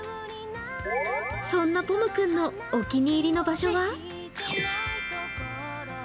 そんなぽむ君のお気に入りの場所は？